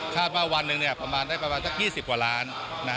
คาดเมื่อวันนึงได้ประมาณ๒๐หว่าล้านอย่าง